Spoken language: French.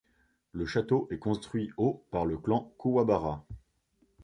Le château est construit au par le clan Kuwabara.